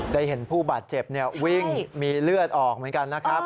ได้เห็นผู้บาดเจ็บวิ่งมีเลือดออกเหมือนกันนะครับ